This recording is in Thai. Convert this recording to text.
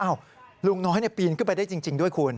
ลุงน้อยปีนขึ้นไปได้จริงด้วยคุณ